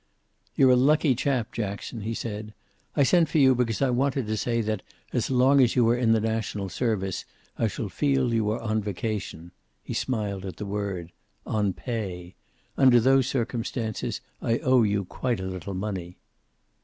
"You're a lucky chap, Jackson," he said. "I sent for you because I wanted to say that, as long as you are in the national service, I shall feel that you are on a vacation" he smiled at the word "on pay. Under those circumstances, I owe you quite a little money."